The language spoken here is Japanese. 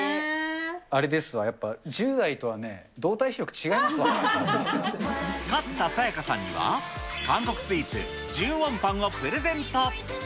あれですわ、やっぱり１０代勝ったさやかさんには、韓国スイーツ、１０ウォンパンをプレゼント。